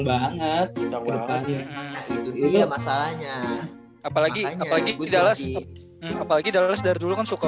banget kita udah bahannya iya masalahnya apalagi apalagi apalagi dari dulu kan suka